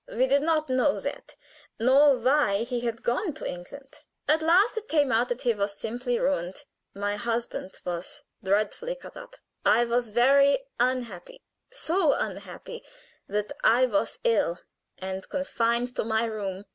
We did not know that, nor why he had gone to England. At last it came out that he was simply ruined. My husband was dreadfully cut up. I was very unhappy so unhappy that I was ill and confined to my room.